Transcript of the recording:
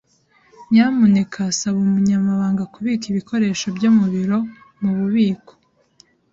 Nyamuneka saba umunyamabanga kubika ibikoresho byo mu biro mu bubiko.